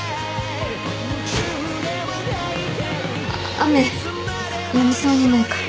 ・雨やみそうにないから。